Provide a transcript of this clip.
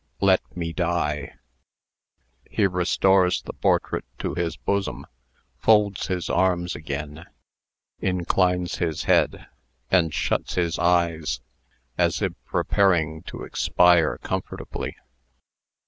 Let me die!" He restores the portrait to his bosom, folds his arms again, inclines his head, and shuts his eyes, as if preparing to expire comfortably.